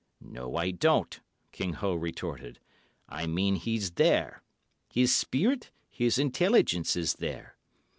"No, I don't," King Ho retorted. "I mean he's there—his spirit, his intelligence is there.